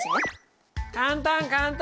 簡単簡単！